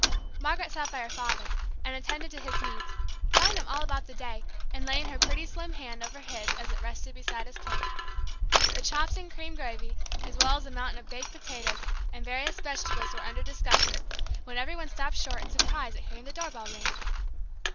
Margaret sat by her father, and attended to his needs, telling him all about the day, and laying her pretty slim hand over his as it rested beside his plate. The chops and cream gravy, as well as a mountain of baked potatoes, and various vegetables, were under discussion, when every one stopped short in surprise at hearing the doorbell ring.